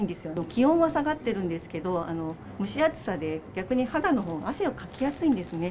気温は下がってるんですけど、蒸し暑さで逆に肌のほうが汗をかきやすいんですね。